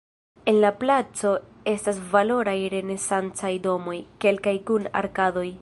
En la placo estas valoraj renesancaj domoj, kelkaj kun arkadoj.